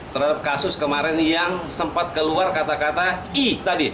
terhadap kasus kemarin yang sempat keluar kata kata i tadi